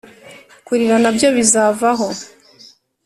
Kurira na byo bizavaho .